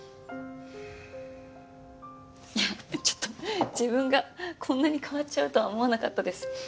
いやちょっと自分がこんなに変わっちゃうとは思わなかったです。